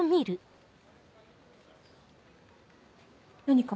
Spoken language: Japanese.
何か？